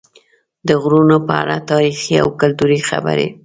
د غرونو په اړه تاریخي او کلتوري خبرې